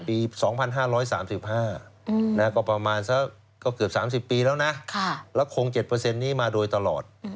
ปี๒๕๓๕ก็ประมาณสักก็เกือบ๓๐ปีแล้วนะแล้วคง๗นี้มาโดยตลอด